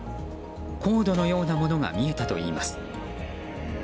コードのようなものが見えたといいます。